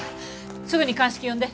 すぐに鑑識呼んで。